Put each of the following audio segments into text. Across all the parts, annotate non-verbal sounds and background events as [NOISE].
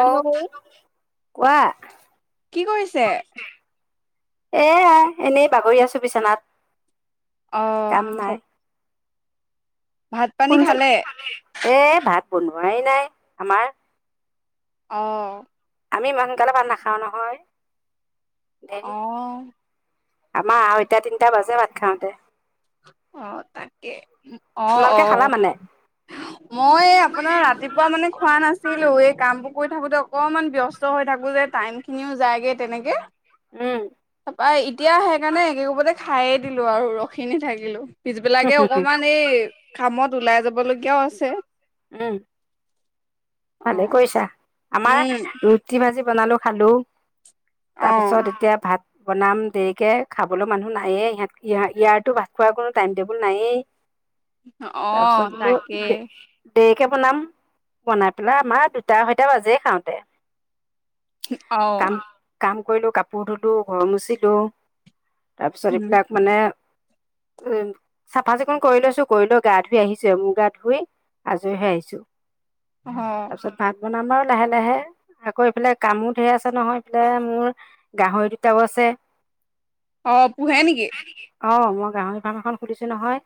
ঔ কোৱা, কি কৰিছে? এয়াই। এনেই বাগৰি আছোঁ বিচনাত। আহ, ফোন-চোন, এ ভাত বনোৱাই নাই আমাৰ। আহ। আমি ইমান সোনকালে ভাত নাখাওঁ নহয়। দেৰি আহ। আমাৰ আহৈতা-তিনটা বাজে ভাত খাওঁতে। অ' তাকে। অ' তোমালোকে খালা অ', মানে মই আপোনাৰ ৰাতিপুৱা মানে খোৱা নাছিলোঁ, এই কামবোৰ কৈ থাকোঁতে অকমান ব্যস্ত হৈ থাকো যে, টাইমখিনিও যায়গে তেনেকে। উম তাপা এতিয়া সেইকাৰণে একে কোবতে খাইয়ে। দিলো আৰু ৰখি এনেই থাকিলো। পিছবিলাকে অকমান এই কামত ওলাই যাব লগীয়াও আছে। উম ভালে অ', কৰিছা, আমাৰ উম, ৰুটি ভাজি বনালো খালো। অ', তাৰপিছত এতিয়া ভাত বনাম দেৰিকে খাবলৈ মানুহ নায়ে ইহত ইয়াৰতো ভাত খোৱাৰ কোনো টাইম টেবুল নাইেই। অঁহ তাকে। দেৰিকে বনাম বনাই পেলাই আমাৰ দুটা আঢ়ৈটা বাজেই খাওঁতে। হুম অঁহ। কাম কাম কৰিলো, কাপোৰ ধুলো, ঘৰ মুচিলো। তাৰপিছত উম, এইবিলাক মানে উম চাফা চিকুণ কৰি লৈছো কৰি লৈ গা ধুই আহিছো মোৰ গা ধুই। আজৰি হৈ আহিছো। অ', তাৰপিছত ভাত বনাম আৰু লাহে-লাহে আকৌ এইফালে কামো ঢেৰ আছে নহয় এইফালে মোৰ গাহৰি দুটাও আছে। অ', পোহে নেকি? অ, মই গাহৰি ফাৰ্ম এখন খুলিছো নহয়।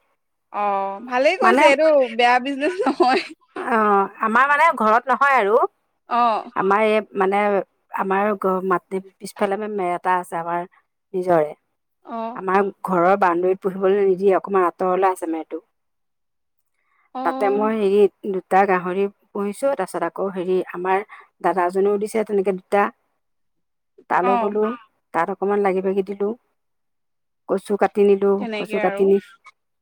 অ ভালেই মানে কৰিছে এইটো বেয়া বি বি নহয় অঁ আমাৰ মানে ঘৰত নহয় আৰু। অ আমাৰ এই মানে আমাৰ গ মাত পিছফালে মা মে এটা আছে আমাৰ নিজৰে। অ আমাৰ ঘৰৰ বাউণ্ডৰীত পুহিবলৈ নিদিয়ে অকণমান আঁতৰলৈ আছে মেৰটো। অ তাতে মই হেৰি দুটা গাহৰি পুহিছো তাৰ পিছত আকৌ হেৰি আমাৰ দাদাজনেও দিছে তেনেকে দুটা। তালো অ বলো তাত অকমান লাগি ভাগি দিলো কচু কাট কাটি নিদু, তেনেকে কচু আৰু কাটি নি,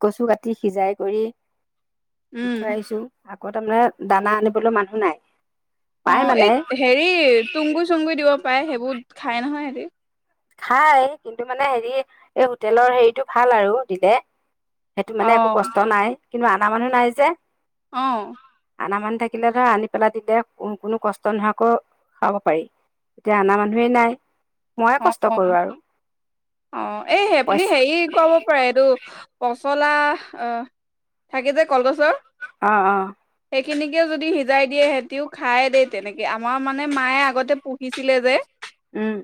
কচু কাটি টি সিজাই কৰি দি উম থৈ আহিছো। আকৌ তাৰমানে দানা আনিবলৈ মানুহ নাই। পায় অ', এই মানে হেৰি তুংগু চুংগু দিব পাৰে সেইবোৰ খাই নহয় সিহঁতি। খাই কিন্তু মানে হেৰি এই হোটেলৰ হেৰিটো ভাল আৰু দিলে। সেইটো অ মানে একো কষ্ট নাই। কিন্তু আনা মানুহ নাই যে। অ'। আনা মানুহ থাকিলে ধৰ আনি পেলাই দিলে কোনো কষ্ট নোহোৱাকৈ খাব পাৰি, এতিয়া আনা মানুহেই নাই। ময়ে কষ্ অ', অ', এই আপুনি পইচা হেৰি ক'ব পাৰে এইটো পচলা থাকে যে কলগছৰ অ', অ'। সেইখিনিকে যদি সিজাই দিয়ে সিহঁতিও খাই দেই তেনেকে আমাৰ মানে মায়ে আগতে পঢ়িছিলে যে। উম।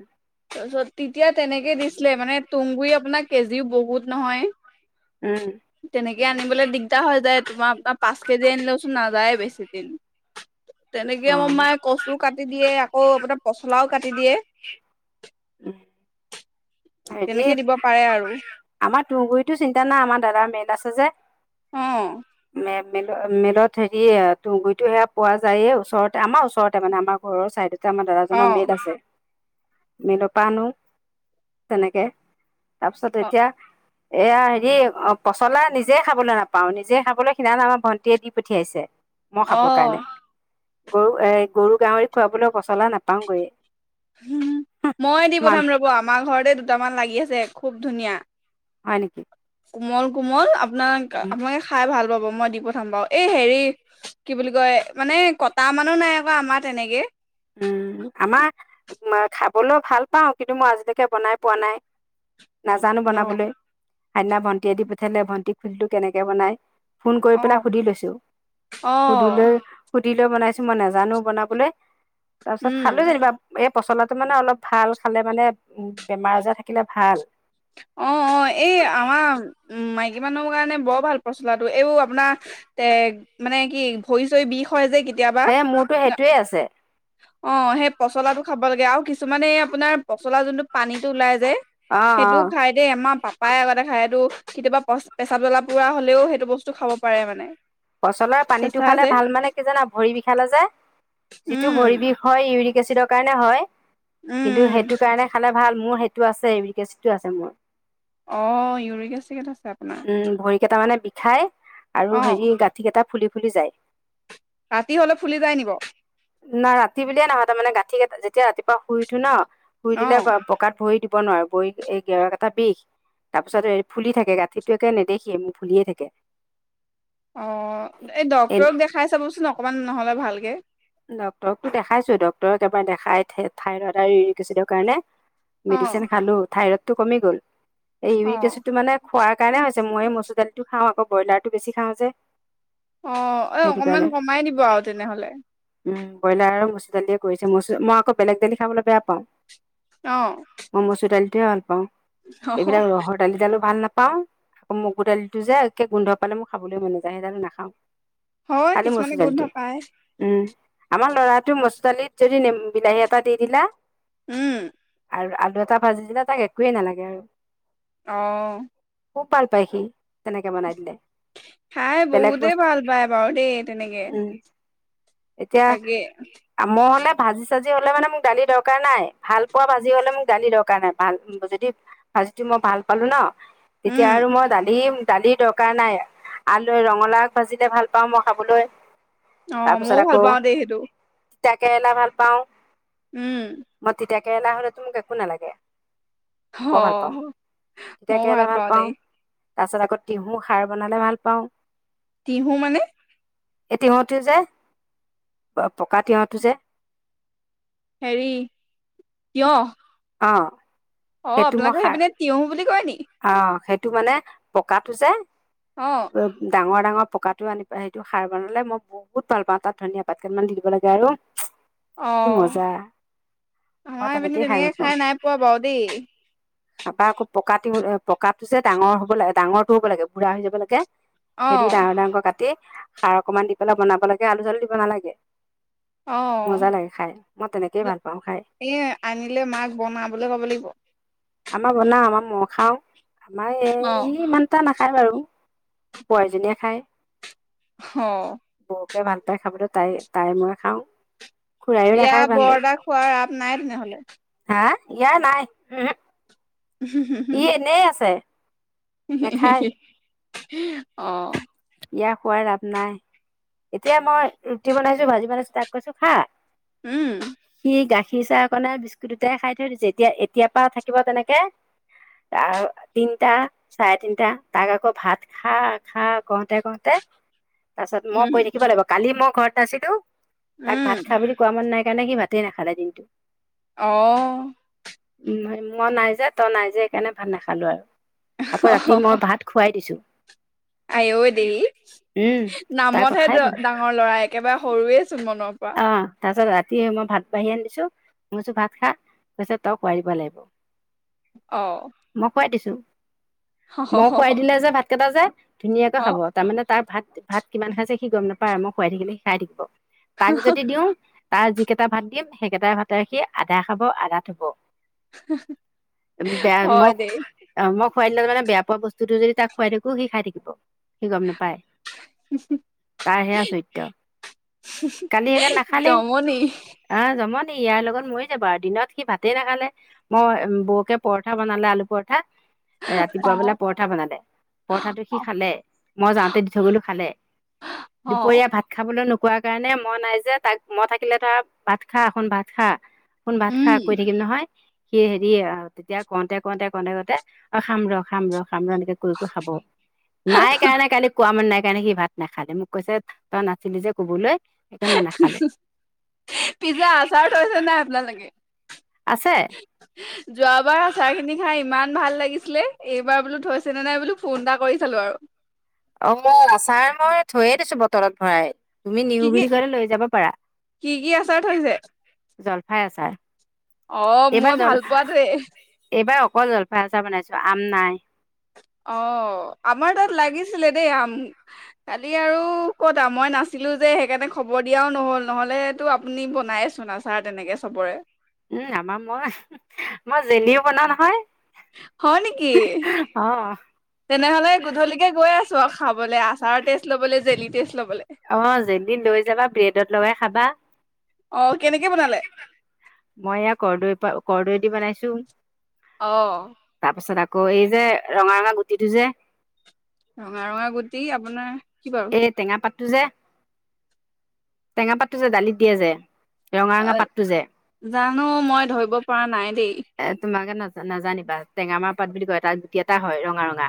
তাৰপিছত তেতিয়া তেনেকে দিছিলে মানে তুঁহগুৰি আপোনাৰ কেজিও বহুত নহয়। উম, তেনেকে আনিবলৈ দিগদাৰ হয় যায় তোমাৰ আপোনাৰ পাঁচ কেজি আনিলেচোন ন'। সদায় বেছি দিন। তেনেকে মোৰ অ', মায়ে কচুও কাটি দিয়ে আকৌ এপ পচলাও কাটি দিয়ে। উম, [INAUDIBLE] হেৰি তেনেকে দিব পাৰে আৰু। আমাৰ তুঁহগুৰিতো চিন্তা নাই আমাৰ দাদাৰ মেড আছে যে। অ', মে মেল মেলত হেৰি তোগুৰিতো সেয়া পোৱা যায় ওচৰতে আমাৰ ওচৰতে মানে আমাৰ ঘৰৰ ছাইডত এয়া আমাৰ দাদাজনৰ মেল অ', আছে মিল পা আনো তেনেকে তাৰপিছত অ', এতিয়া এয়া হেৰি অ পচলা নিজে খাবলৈ নাপাওঁ নিজে খাবলৈ সিদিনা আমাৰ ভণ্টিয়ে দি পঠিয়াইছে মই খাবৰ কাৰণে অ', গৰু এ গৰু গাহৰি খুৱাবলৈ পচলা নাপাওঁ গৈয়ে উম মই দি পথাম ৰব আমাৰ ঘৰতে দু দুটামান লাগি আছে খুব ধুনীয়া হয় নিকি কোমল কোমল আপু আপোনাক আপোনালাকে খাই ভাল ৰ'ব মই দি পঠাম বাৰু এই হেৰি কি বুলি কয় মানে কটা মানুহ নাই আকৌ আমাৰ তেনেকে উম আমাৰ খাবলৈ ভাল পাওঁ কিন্তু মই আজিলৈকে বনাই পোৱা নাই নাজানো অ', বনাবলৈ সেইদিনা ভণ্টিয়ে দি পঠিয়ালে ভণ্টিক সুদিলো কেনেকে বনাই ফোন কৰি অ', পেলাই সুধি লৈছো সুধি অ', লৈ দি লৈ বনাইছো মই নাজানো বনাবলৈ তাৰপিছত উম। খালো যেনিবা এ পচলাটো মানে অলপ ভাল খালে মানে উ বেমাৰ আজাৰ থাকিলে ভাল অ অ এই আমাৰ উম মাই মাইকী মানুহৰ কাৰণে বৰ ভাল পচলা টো এইবোৰ আপোনাৰ এ মানে কি ভৰি চৰি বিষ হয় যে কেত হে মোৰতো সেইটোৱে আছে অ সেই পচলাটো খাব লাগে আৰু কিছুমানে আপোনাৰ পচলাৰ যোনটো পানীটো ওলাই যে যে অ অ সেইটোও খাই দে আমাৰ পাপ পায় আগতে খায় এইটো কেতিয়াবা পেছাব জ্বলা পোৰা হলেও সেইটো বস্তু খাব পাৰে মানে পচলাৰ পানীটো চেঁচা খালে যে ভাল মানে কি জানা ভৰি বিষালে যে যিটো ভৰি উম বিষ হয় ইউৰিক এচিডৰ কাৰণে হয় উম কিন্তু উম সেইটো কাৰণে খালে ভাল মোৰ সেইটো আছে ইউৰিক এচিড টো আছে মোৰ অ ইউৰিক এচিড আছে আপোনাৰ হয় আৰু অ হেৰি গা টা ফুলি ফুলি যায়। ৰাতি হলে ফুলি যায় নি বাৰু নাই ৰাতি বুলিয়ে নহয় তাৰমানে গাঁঠি গাঁঠি যেতিয়া ৰাতিপুৱা শুই উঠো ন? শুই অ দিলে পকাত ভৰি দিব দিব নোৱাৰো বৈ এই গেৱা কেটা বিষ তাৰপিছত ফুলি থাকে, গাঁঠিটো একে নেদেখিয়ে ইমান ফুলিয়ে থাকে। অ' এই ডাক্তৰক দেখাই চাবচোন অকণমান নহয়। ভালকে। ডক্তৰক দেখাইছো ডক্তৰক একবাৰে দেখাই থাইৰয়ড আৰু ইউৰিক এচিডৰ কাৰণে অ মেডিচিন খালো থাইৰয়ড টো কমি গ'ল। এই অ ইউৰিক এচিড টো মানে খোৱাৰ সেইকাৰণে হৈছে মই মচুৰ দালিটো খাও আকৌ ব্ৰইলাৰটো বেছি খাও যে অ' এই সেইটো অকমান কাৰণে কমাই দিব আৰু তেনেহ'লে উম' ব্ৰইলাৰ আৰু মচুৰ দালিয়ে কৰিছে, মচুৰ দাইলৰ মই আকৌ বেলেগ দালি খাবলৈ বেয়া পাও। অ মই মচুৰ দাইল তোহে ভালপাওঁ, এইবিলাক ৰহৰ দালি ডালো ভাল পাও আকৌ মগু দালিটো যে একে গোন্ধ পালে মোৰ খাবলৈ মন নাযায়, সেইকাৰণে নাখাও হয় কিছুমানে গোন্ধ পায়। উম আমাৰ ল'ৰাটো মচুৰ দালিত যদি নেমু, বিলাহী এটা দি দিলা উম'। দুটা ভাজি দিলে তাক একোৱে নালাগে আৰু অহ। খুব ভাল পায় সি তেনেকে বনাই দিলে। খাই বেলেগ বহুতে বস্তু ভাল পায় বাৰু দেই তেনেকে উম এতিয়া তাকে মই হ'লে ভাজি, চাজি হ'লে মানে মোক দালি দৰকাৰ নাই। ভাল পোৱা ভাজি হ'লে মোক দালি দৰকাৰ নাই ভাল যদি ভাজিটো মই ভাল পালো ন' তেতিয়া উম আৰু মই দালিম দালিৰ দৰকাৰ নাই আলৈ ৰঙালাও ভাজিলে ভাল পাও মই খাবলৈ অ' মই ভাল পাও দে সেটো তিতা কেৰেলা ভাল পাওঁ। উম কেৰেলা হলে তো মোক একো নালাগে অ বৰ ভালপাওঁ মইও ভাল তিতাকেৰেলা পাওঁ ভালপাওঁ দেই তাৰ পাছত আকৌ তিহু খাৰ বনালে ভাল পাওঁ তিহু মানে? এতিহঁতি যে পকা তিয়হটো যে হেৰি তিয়হ অহ অহ আপোনালোকৰ সেইপিনে তিহু বুলি কয় নেকি? টো মানে পকাটো যে উম ডাঙৰ ডাঙৰ পকাটো আনি পিনে সেইটো সাৰ বনালে মই বহুত ভাল পাওঁ তাত ধনিয়া পাত কেইবাৰমান দি দিব লাগে আৰু অ কি মজা মই আমাৰ এইপিনে তেনেকেই খাই তেনেকে ভাল পাওঁ খাই নাই পোৱা বাৰু দেই কাতিবলে পকাটো যে ডাঙৰ হব লাগে ডাঙৰটো হব লাগে বুঢ়া হৈ যাব লাগে অ সেইটো ডাঙৰ ডাঙৰকৈ কাটি সাৰ অকনমান দি পেলাই বনাব লাগে আলু চালু দিব নালাগে অ মজা লাগে খাই মই তেনেকেই ভাল পাওঁ খাই। এ আনিলে মাক বনাবলৈ ক'ব লাগিব আমাৰ বনাও আমাৰ মই খাও আমাৰ অ এই ইমানটা নাখা খাই বাৰু পোৱালি জনীয়ে খায় হঅ বৌকে ভাল পাই খাবলৈ তাই তাই মই খাওঁ খুৰায়ো এয়া নাখায় বৰ ভালদৰে এটা খোৱাৰ ৰাপ নাই তেনেহলে হা ইয়াৰ নাই উহু ইহ এনেই আছে উহু উহু নাখায় উহু অহ ইয়াৰ খোৱাৰ ৰাপ নাই এতিয়া মই ৰুটি বনাইছো ভাজি বনাইছো তাক কৈছো খা উম সি গাখীৰ চাহ অকণে বিস্কুট দুটাই খাই থৈ দিছে এতিয়া এতিয়াৰ পৰা থাকিব তেনেকে তিনিটা চাৰে তিনিটা তাক আকৌ ভাত খা খা কওঁতে কওঁতে তাৰ পাছত মই উম, কৰি থাকিব লাগিব কালি মই ঘৰত নাছিলো তাক উম। ভাত খাই বুলি কোৱা মানুহ নাই তেনেকে ভাতেই নাখালে দিনটো। অ'। উম। মন নাই যে। তই নাই যে, সেইকাৰণে ভাত নেখালোঁ আৰু আকৌ ৰাতি মই ভাত খোৱাই দিছোঁ। আইয়ৈ দেহি, উম তাৰ নামতহে কথাই ডাঙৰ ল'ৰা। একেবাৰে সৰুৱেই চোন মনৰ পৰা। অ', তাৰ পিছত ৰাতি মই ভাত বাঢ়ি আনি দিছোঁ মই কৈছোঁ, ভাত খা। কৈছে, তই খোৱাই দিব লাগিব। অ', মই খোৱাই দিছোঁ। মই খুৱাই দিলে যে ভাত কেটা যায় ধুনীয়াকৈ খাব, অ' তাৰ মানে, তাৰ ভাত ভাত কিমান খাইছে, সি গম নাপায় আৰু মই খোৱাই থাকিলে, সি খাইয়েই থাকিব তাক যদি দিওঁ তাৰ যিকেইটা ভাত দিম, সেইকেইটা ভাতেৰে সি আধা খাব, আধা থ'ব। [INAUDIBLE] হয় দেই খুৱাই দিলে, মানে, বেয়া পোৱা বস্তুটো যদি তাক খুৱাই থাকোঁ, সি খাই থাকিব। সি গম নাপায়। তাৰ সেইয়া চৰিত্ৰ কালি সেইকাৰণে নাখালেই। জমনি আ, জমন ইয়াৰ লগত মৰি যাবা আৰু দিনত সি ভাতেই নাখালে। মই, বৌয়েকে পৰঠা বনালে, আলু পৰঠা ৰাতিপুৱা বোলে অ'। পৰঠা বনালে। পৰঠাটো সি খালে। মই যাওঁতে দি থৈ গ'লো। খালে। অ' দুপৰীয়া ভাত খাবলৈ ন সেইকাৰণে মই নাই যে। তাক মই থাকিলেতো, আৰু ভাত খা, শুন, ভাত খা শুন, ভাত উম, খা কৈ থাকিম নহয় সি হেৰি, আ, তেতিয়া কওঁতে, কওঁতে, কওঁতে, কওঁতে, অ', খাম ৰ', খাম ৰ' খাম ৰ', এনেকে কৈ কৈ খাব। নাই কাৰণে কালি কোৱা মানুহ নাই সেইকাৰণে সি ভাত নাখালে। মোক কৈছে, তই নাছিলি যে ক'বলৈ একে মই নাখালো পিছে আচাৰ থৈছে নাই আপোনালোকে? আছে যোৱাবাৰ আচাৰখিনি খাই ইমান ভাল লাগি গিছিলে। এইবাৰ বোলো, থৈছেনে নাই। বোলো, ফোন এটা কৰি চালোঁ আৰু অ', আচাৰ মই থৈয়েই দিছোঁ বটলত ভৰাই। তুমি কি নিওঁ কি বুলি ক'লে লৈ যাব পাৰা কি কি আচাৰ থৈছে? জলফাই আচাৰ অ', এইবাৰ মই জল ভাল পোৱাটোৱেই। এইবাৰ অকল জলফাইৰ আচাৰ বনাইছোঁ। আম নাই অ'। আমাৰ তাত লাগিছিলে দেই, আম কালি আৰু ক'ত মই নাছিলো যে সেইকাৰণে খবৰ দিয়াও নহ'ল নহ'লেটো আপুনি বনায়ে চোন আচাৰ তেনেকে চবৰে। উম, আমাৰ মই, মই জেলিও বনাওঁ নহয়। হয় নেকি, অ তেনেহ'লে গধূলিকে গৈ আছ [UNINTELLIGIBLE] খাবলে, আচাৰ টেষ্ট ল'বলে, জেলি টেষ্ট ল'বলে। অ জেলি লৈ যাবা ব্ৰেডত লগাই খাবা। অ', কেনেকে বনালে? মই ইয়া কৰদৈপা কৰ্দৈ দি বনাইছো। অ'। তাৰ পাছত আকৌ এই যে ৰঙা ৰঙা গুটিটো যে ৰঙা ৰঙা গুটি আপোনাৰ কি বাৰু? এ টেঙা পাত টো যে টেঙা পাতটো যে দালিত দিয়া যে। ৰঙা ৰঙা অ', পাতটো যে জানো মই ধৰিব পৰা নাই দেই। এ তোমাকে না নাজানিবা টেঙামাৰ পাত বুলি কয় তাত গুটি এটা হয় ৰঙা, ৰঙা।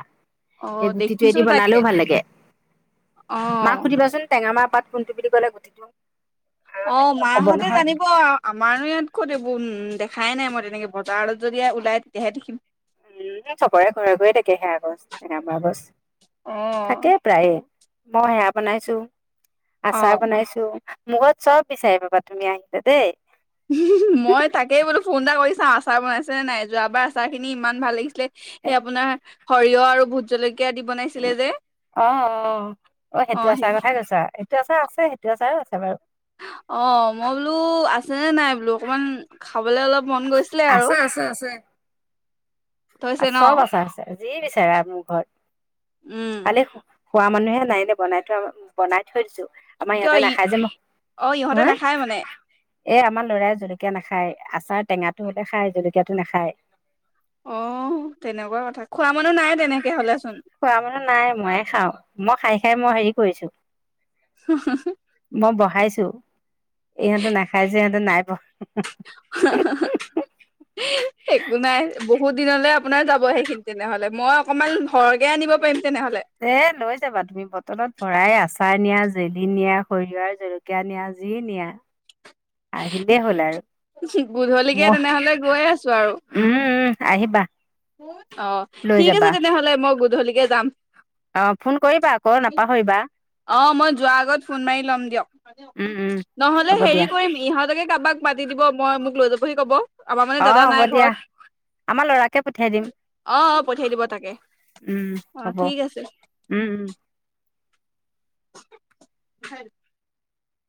অ', এই দেখিছো গুটিটোয়েদি চাগে বনালেও ভাল লাগে, মাক অ'। সুধিবাচোন টেঙা মা পাত কোনটো বুলি ক'লে গুটিটো। আৰু অ', হেৰি ক'ব মাহঁতে নহয় জানিব, আমাৰো ইয়াত কৈ উম, দেখাই নাই মই তেনেকে বজাৰত যদি ওলাই তেতিয়াহে দেখিম। উম, চবৰে ঘৰে ঘৰে থাকে সেয়া গছ টেঙামৰা গছ। অ', থাকে প্ৰায়ে। মই সেয়া বনাইছো। আচাৰ অ', বনাইছো। মোৰ ঘৰত চব বিচাৰি পাবা তুমি আহিলা দেই। মই তাকেই বোলো ফোন এটা কৰি চাও আচাৰ বনাইছে নে নাই, যোৱাবাৰ আচাৰ খিনি ইমান ভাল লাগিছিলে। সে আপোনাৰ সৰিয়হ আৰু ভোট জলেক অ', অ', অ', সেইটো অ', সেই আচাৰ কথাই কৈছা এইটো আচাৰ আছে, সেইটো আচাৰ তাবৰ অ', মই বোলো আছেনে নাই বোলো অকমান খাবলৈ অলপ মন গৈছিলে আৰু আছে, আছে, আছে। থৈছে ন চব আচাৰ আছে যি বিচাৰা মোৰ ঘৰত উম খালি খোৱা মানুহে নাইনে বনাই থৈ বনাই থৈ দিছো আমাৰ কিয় ইহঁতে ই নাখাই যে মই অ ইহঁতে হা? নাখায় মানে এ আমাৰ লৰাই জলকীয়া নাখায় আচাৰ টেঙাটো হ'লে খায় জলকীয়াটো নাখায় অ তেনেকুৱা কথা খোৱা মানুহ নাই তেনেকে হ'লেচোন খোৱা মানে নাই ময়ে খাওঁ মই খাই খাই মই হেৰি কৰিছো হ হ হ মই বহাইছো ইহঁতে নাখাই যে ইহঁতে নাই প একো নাই বহুত দিনলৈ আপ আপোনাৰ যাব সেইখিনি তেনেহ'লে মই অকণমান হৰকে আনিব পাৰিম তেনেহলে এ লৈ যাবা তুমি বটলত ভৰাই আচাৰ নিয়া জেলি নিয়া সৰিয়হৰ জলকীয়া নিয়া যি নিয়া আহিলেই হ'ল আৰু গুধলিকে মই তেনেহলে গৈ আছো আৰু উম উম আহিবা অ লৈ ঠিক আছে যাবা তেনেহলে মই গধূলিকে যাম অ ফোন কৰিবা আকৌ নাপাহৰিবা অ মই যোৱাৰ আগত ফোন মাৰি লম দিয়ক উম উম নহলে হ'ব হেৰি দিয়া কৰিম ইহঁত কাবাক মাতি দিব মই মোক লৈ যাবহি ক'ব আমাৰ মানে অ দাদা নাই হ'ব দিয়া ঘৰত আমাৰ লৰাকে পঠিয়াই দিম অ অ পঠিয়াই দিব তাকে উম অ হব ঠিক আছে উম উম [UNINTELLIGIBLE]